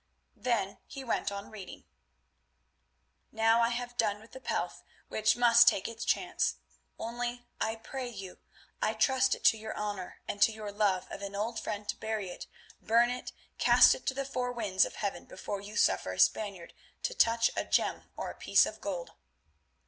Then he went on reading: "Now I have done with the pelf, which must take its chance. Only, I pray you—I trust it to your honour and to your love of an old friend to bury it, burn it, cast it to the four winds of heaven before you suffer a Spaniard to touch a gem or a piece of gold.